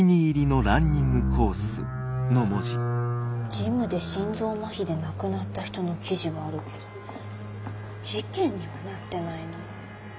ジムで心臓まひで亡くなった人の記事はあるけど事件にはなってないな。